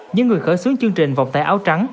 những người khởi xuống chương trình vòng tay áo trắng